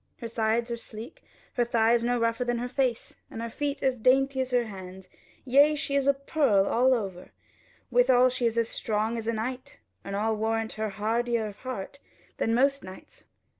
Her sides are sleek, and her thighs no rougher than her face, and her feet as dainty as her hands: yea, she is a pearl all over, withal she is as strong as a knight, and I warrant her hardier of heart than most knights.